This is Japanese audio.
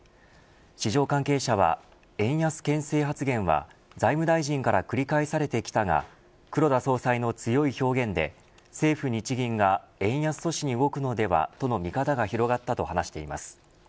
市場関係者は円安けん制発言は財務大臣から繰り返されてきたが黒田総裁の強い表現で政府日銀が円安阻止に動くのでは、との見方が広がったと話しています。